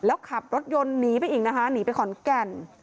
แล้วขับรถยนต์หนีไปอีกนะคะหนีไปขอนแก่น